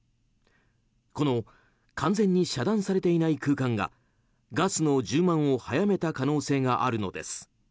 この完全に遮断されていない空間がガスの充満を早めた可能性があるのです。